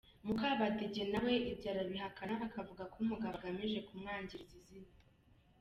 Mukabadege nawe ibyo arabihakana akavuga ko umugabo agamije kumwangiriza izina.